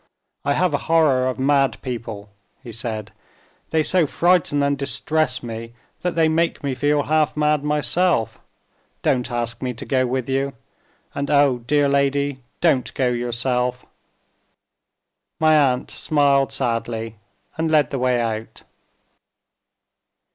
"I have a horror of mad people," he said, "they so frighten and distress me, that they make me feel half mad myself. Don't ask me to go with you and oh, dear lady, don't go yourself." My aunt smiled sadly and led the way out.